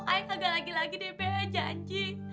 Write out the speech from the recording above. saya kagak lagi lagi bea janji